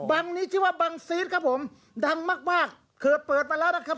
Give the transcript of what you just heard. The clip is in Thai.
บังนี้ชื่อว่าบังซีสครับผมดังมากมากเคยเปิดมาแล้วนะครับ